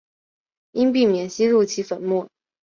应避免吸入其粉末。